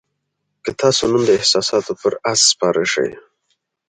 که تاسو نن د احساساتو پر آس سپاره شئ.